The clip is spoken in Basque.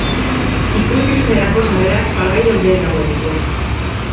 Ikuskizunerako sarrerak salgai daude dagoeneko.